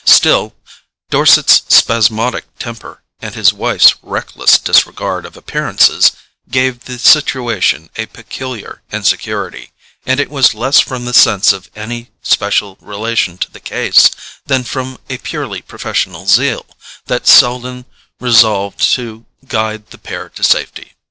Still, Dorset's spasmodic temper, and his wife's reckless disregard of appearances, gave the situation a peculiar insecurity; and it was less from the sense of any special relation to the case than from a purely professional zeal, that Selden resolved to guide the pair to safety.